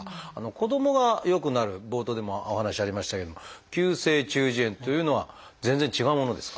子どもがよくなる冒頭でもお話ありましたけれども「急性中耳炎」というのは全然違うものですか？